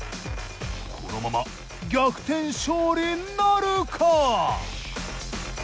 このまま逆転勝利なるか！？